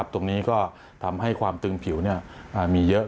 ตรงนี้ก็ทำให้ความตึงผิวมีเยอะ